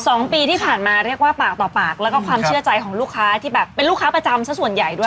สองปีที่ผ่านมาเรียกว่าปากต่อปากแล้วก็ความเชื่อใจของลูกค้าที่แบบเป็นลูกค้าประจำสักส่วนใหญ่ด้วย